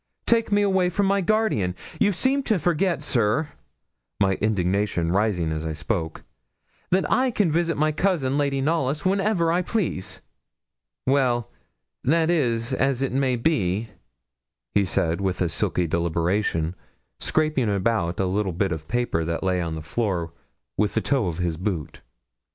Take me away from my guardian! You seem to forget, sir,' my indignation rising as I spoke, 'that I can visit my cousin, Lady Knollys, whenever I please.' 'Well, that is as it may be,' he said, with a sulky deliberation, scraping about a little bit of paper that lay on the floor with the toe of his boot.